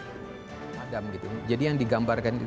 jadi yang digambarkan itu adalah emas yang diberikan oleh bung karno